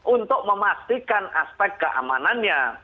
untuk memastikan aspek keamanannya